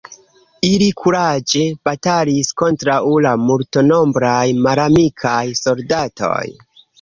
Ili kuraĝe batalis kontraŭ la multnombraj malamikaj soldatoj.